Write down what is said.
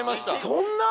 そんな？